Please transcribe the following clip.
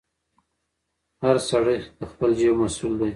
هر سړی د خپل جیب مسوول دی.